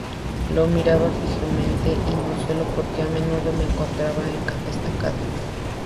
Lo miraba fijamente, y no solo porque a menudo me encontraba estancada.